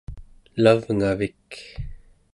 elavngavik